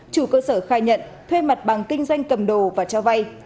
chủ cơ sở khai nhận thuê mặt bằng kinh doanh cầm đồ và cho vay